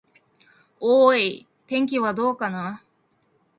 おーーい、天気はどうかな。